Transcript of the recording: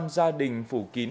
một trăm linh gia đình phủ kín